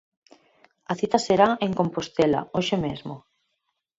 A cita será en Compostela hoxe mesmo.